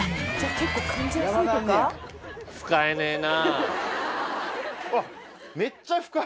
使えねえな。